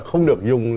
không được dùng